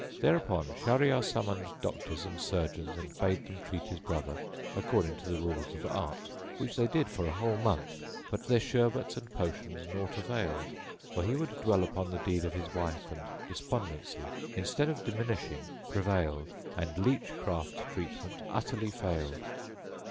Thereupon Shahryar summoned doctors and surgeons and bade them treat his brother according to the rules of art, which they did for a whole month; but their sherbets and potions naught availed, for he would dwell upon the deed of his wife, and despondency, instead of diminishing, prevailed, and leach craft treatment utterly failed.